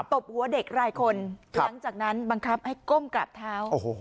ตบหัวเด็กรายคนหลังจากนั้นบังคับให้ก้มกราบเท้า